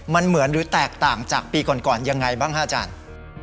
มันเหมือนหรือแตกต่างจากปีก่อนยังไงบ้างฮะอาจารย์